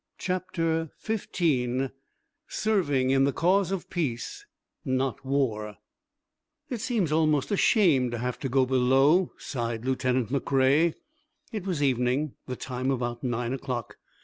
CHAPTER XV SERVING IN THE CAUSE OF PEACE, NOT WAR "It seems almost a shame to have to go below," sighed Lieutenant McCrea. It was evening, the time about nine o'clock.